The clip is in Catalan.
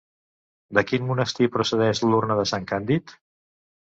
De quin monestir procedeix l'Urna de Sant Càndid?